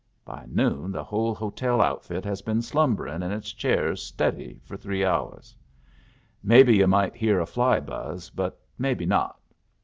By noon the whole hotel outfit has been slumberin' in its chairs steady for three hours. Maybe yu' might hear a fly buzz, but maybe not.